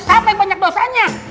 siapa yang banyak dosanya